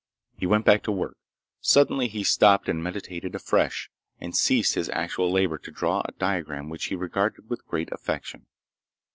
He went back to work. Suddenly he stopped and meditated afresh, and ceased his actual labor to draw a diagram which he regarded with great affection.